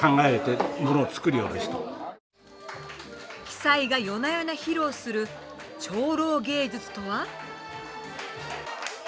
鬼才が夜な夜な披露する超老芸術とは？